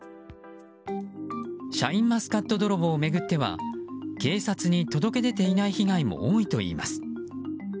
シャインマスカット泥棒を巡っては警察に届け出ていない被害も多いといいます。